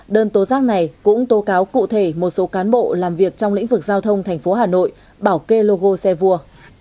đơn tố giác này cũng tố cáo cụ thể một số cán bộ làm việc trong lĩnh vực giao thông thành phố hà nội bảo kê logo xe vua